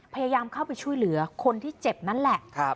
พยายามเข้าไปช่วยเหลือคนที่เจ็บนั่นแหละ